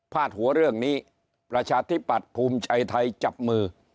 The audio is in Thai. ดหัวเรื่องนี้ประชาธิปัตย์ภูมิใจไทยจับมือ